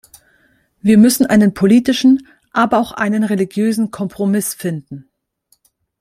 Wir müssen einen politischen, aber auch einen religiösen Kompromiss finden.